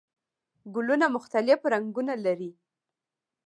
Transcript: ګلونه مختلف رنګونه لري